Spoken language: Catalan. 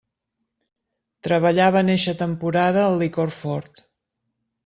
Treballava en eixa temporada el licor fort.